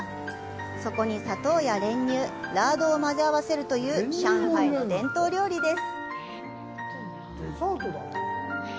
そこに砂糖や練乳、ラードを混ぜ合わせるという上海の伝統料理です。